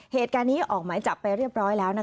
เหตุการณ์นี้ออกหมายจับไปเรียบร้อยแล้ว